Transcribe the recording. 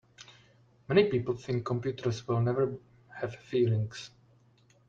Many people think computers will never have feelings.